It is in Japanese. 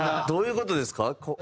どういう事ですか？